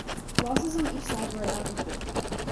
Losses on each side were about equal.